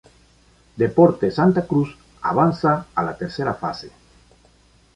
Deportes Santa Cruz avanza a la tercera fase.